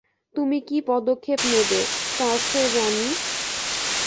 তুমি কী পদক্ষেপ নেবে, কার্সের রানী?